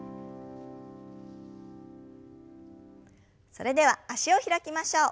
それでは脚を開きましょう。